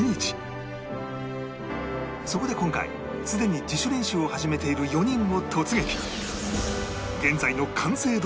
そこで今回すでに自主練習を始めている４人を突撃